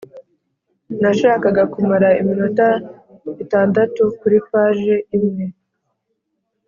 Nashakaga kumara iminota itandatu kuri paje imwe